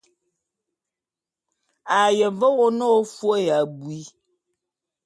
A ye ve wo n'a ô fôé abui.